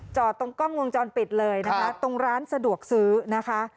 จอดตรงกล้องวงจรปิดเลยนะคะตรงร้านสะดวกซื้อนะคะ